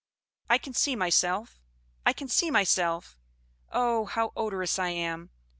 "I can see myself I can see myself! Oh, how odorous I am!